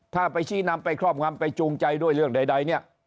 ถ้าไปชี้นำไปครอบงำไปจูงใจด้วยเรื่องใดเนี่ย